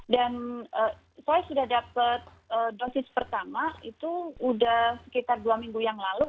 dan saya sudah dapat dosis pertama itu sudah sekitar dua minggu yang lalu